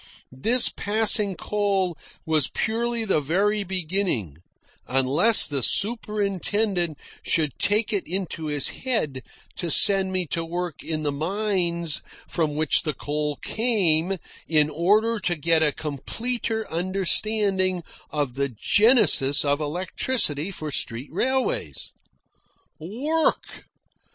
This passing coal was surely the very beginning unless the superintendent should take it into his head to send me to work in the mines from which the coal came in order to get a completer understanding of the genesis of electricity for street railways. Work!